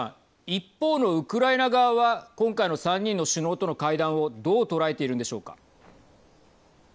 一方のウクライナ側は今回の３人の首脳との会談をどう捉えているんでしょうか。